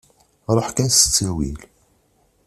Ṛuḥ kan s ttawil.